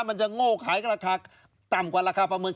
มันจะโง่ขายราคาต่ำกว่าราคาประเมิน